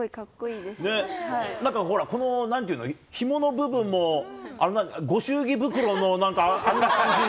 なんか、なんていうの、ひもの部分もご祝儀袋のなんか、あんな感じの。